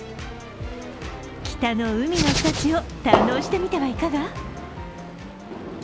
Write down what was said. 北の海の幸を堪能してみてはいかが？